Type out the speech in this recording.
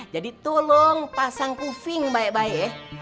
jadi tolong pasang kuving baik baik